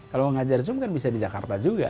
kalau mau ngajar zoom kan bisa di jakarta juga